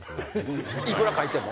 いくら書いても？